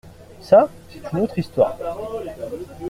Ça, c’est une autre Histoire.